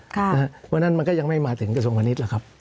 เพราะฉะนั้นมันก็ยังไม่มาถึงกระทรวงพาณิชย์หรอกครับ